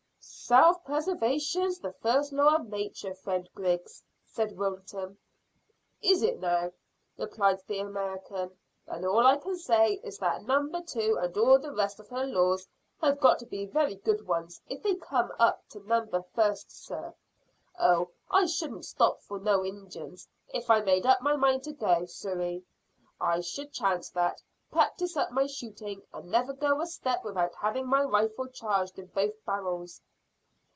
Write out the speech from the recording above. "Self preservation's the first law of nature, friend Griggs," said Wilton. "Is it, now?" replied the American. "Then all I can say is that number two and all the rest of her laws have got to be very good ones if they come up to number first, sir. Oh, I shouldn't stop for no Injuns if I made up my mind to go, sirree. I should chance that, practise up my shooting, and never go a step without having my rifle charged in both barrels."